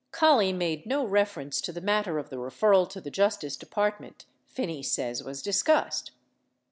88 Collie made no reference to the matter of the referral to the Justice Department Phinney says was discussed.